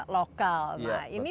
lokal nah ini